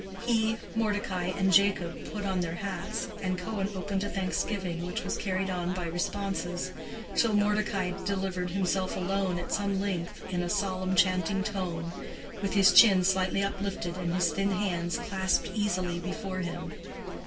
He, Mordecai and Jacob put on their hats, and Cohen opened a thanksgiving, which was carried on by responses, till Mordecai delivered himself alone at some length, in a solemn chanting tone, with his chin slightly uplifted and his thin hands clasped easily before him.